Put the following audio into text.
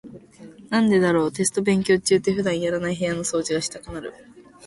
なんでだろう、テスト勉強中って普段やらない部屋の掃除がしたくなる。